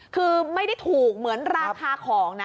คือไม่ได้ถูกเหมือนราคาของนะ